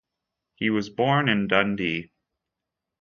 He was born in Dundee.